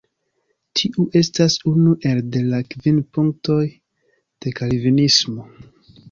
Tiu estas unu el de la Kvin punktoj de Kalvinismo.